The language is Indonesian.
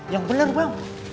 yang beliang pak